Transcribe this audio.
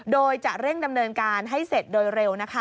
โดยจะเร่งดำเนินการให้เสร็จโดยเร็วนะคะ